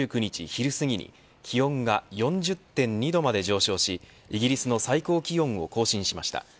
昼すぎに気温が４０．２度まで上昇しイギリスの最高気温を更新しました。